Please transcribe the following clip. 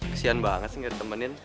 kesian banget sih gak ditemenin